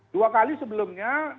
dua kali sebelumnya